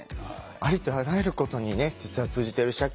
ありとあらゆることにね実は通じてる社協。